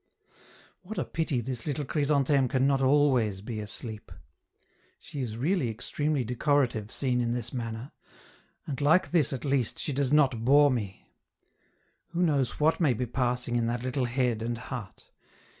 What a pity this little Chrysantheme can not always be asleep; she is really extremely decorative seen in this manner and like this, at least, she does not bore me. Who knows what may be passing in that little head and heart!